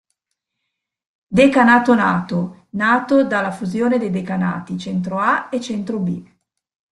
Decanato nato nato dalla fusione dei Decanati “Centro A” e “Centro B”.